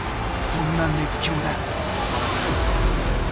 そんな熱狂だ。